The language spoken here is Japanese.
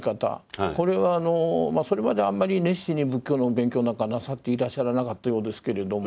これはそれまであんまり熱心に仏教のお勉強なんかはなさっていらっしゃらなかったようですけれども。